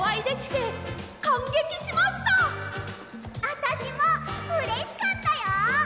あたしもうれしかったよ！